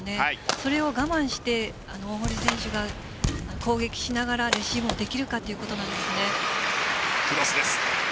それを我慢して大堀選手が攻撃しながらレシーブをできるかクロスです。